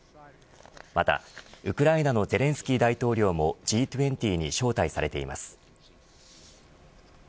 また、ウクライナのゼレンスキー大統領もＧ２０に招待されています。